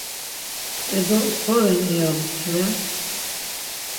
E do so ren iya mcve...